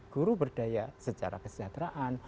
guru berdaya secara kesejahteraan